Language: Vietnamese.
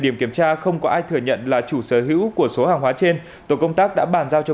điểm kiểm tra không có ai thừa nhận là chủ sở hữu của số hàng hóa trên tổ công tác đã bàn giao cho